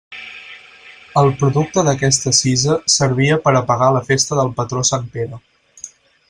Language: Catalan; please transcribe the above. El producte d'aquesta cisa servia per a pagar la festa del patró sant Pere.